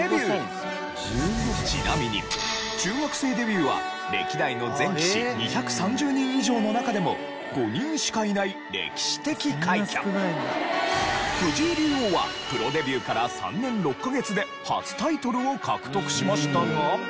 ちなみに中学生デビューは歴代の全棋士２３０人以上の中でも５人しかいない歴史的快挙！藤井竜王はプロデビューから３年６カ月で初タイトルを獲得しましたが。